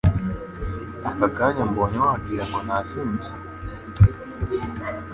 Akakanya umbonye wagirango nasinze